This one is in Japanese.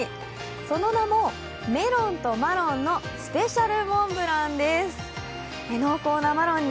その名も、メロンとマロンのスペシャル・モンブラン